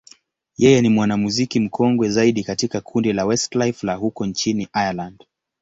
yeye ni mwanamuziki mkongwe zaidi katika kundi la Westlife la huko nchini Ireland.